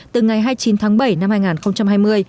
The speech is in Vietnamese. từ ngày hai mươi chín tháng bảy năm hai nghìn hai mươi